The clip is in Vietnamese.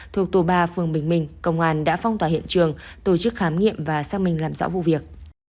thuộc tổ ba phường bình minh công an đã phong tỏa hiện trường tổ chức khám nghiệm và xác minh làm rõ vụ việc